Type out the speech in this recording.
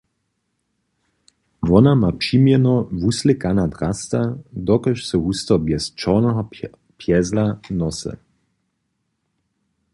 Wona ma přimjeno „wuslěkana drasta“, dokelž so husto bjez čorneho pjezla nosy.